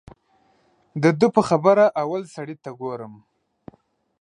د ده په خبره اول سړي ته ګورم.